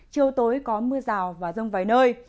chiều tối có mưa rào và rông vài nơi